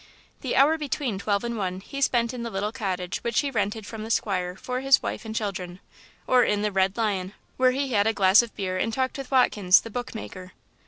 The hour between twelve and one he spent in the little cottage which he rented from the squire for his wife and children, or in the "Red Lion," where he had a glass of beer and talked with Watkins, the bookmaker.